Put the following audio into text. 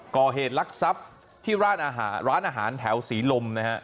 ก่อเหตุลักษัพที่ร้านอาหารร้านอาหารแถวศรีลมนะฮะ